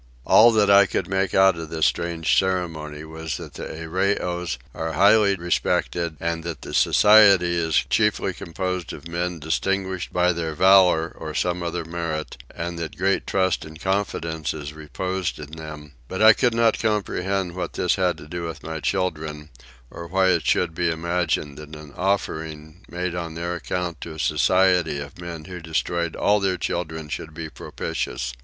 All that I could make out of this strange ceremony was that the Arreoys are highly respected and that the society is chiefly composed of men distinguished by their valour or some other merit, and that great trust and confidence is reposed in them; but I could not comprehend what this had to do with my children or why it should be imagined that an offering made on their account to a society of men who destroy all their children should be propitious.